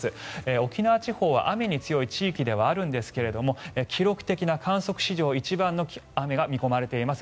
沖縄地方は雨に強い地域ではあるんですが記録的な観測史上一番の雨が見込まれています。